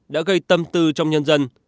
đã gây tâm tư trong nhân dân